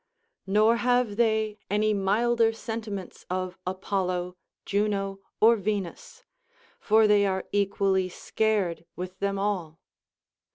* Nor have they any milder sentiments of Apollo, Juno, or Λ'^enus ; for they are equally scared with them all.